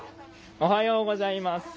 おはようございます。